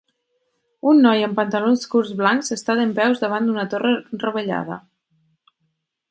Un noi amb pantalons curts blancs està dempeus davant una torre rovellada.